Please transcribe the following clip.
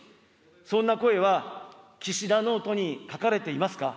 そんな声は、岸田ノートに書かれていますか。